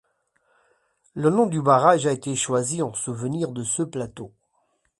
Le nom du barrage a été choisi en souvenir de ce plateau.